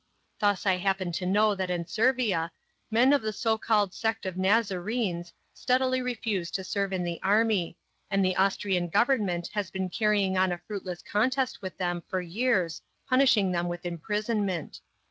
Thus I happen to know that in Servia men of the so called sect of Nazarenes steadily refuse to serve in the army, and the Austrian Government has been carrying on a fruitless contest with them for years, punishing them with imprisonment.